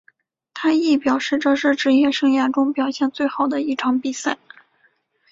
他亦表示这是职业生涯中表现最好的一场比赛。